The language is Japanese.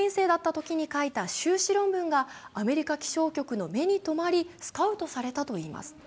ときに書いた修士論文がアメリカ気象局の目に止まりスカウトされたといいます。